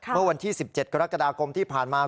เมื่อวันที่๑๗กรกฎาคมที่ผ่านมา